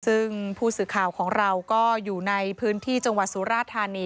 ซึ่งผู้สื่อข่าวของเราก็อยู่ในพื้นที่จังหวัดสุราธานี